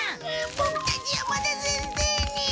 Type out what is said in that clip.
ボクたち山田先生に。